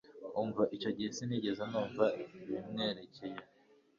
Kuva icyo gihe sinigeze numva ibimwerekeye